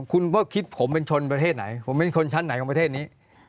คุณก็คิดผมเป็นชนประเทศไหนผมเป็นคนชั้นไหนของประเทศนี้